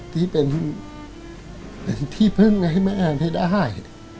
ที่เป็นที่พึ่งให้แม่แอนให้ได้